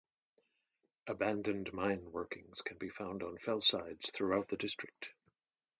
Abandoned mine workings can be found on fellsides throughout the district.